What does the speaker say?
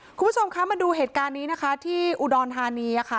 คุณผู้ชมคะมาดูเหตุการณ์นี้นะคะที่อุดรธานีค่ะ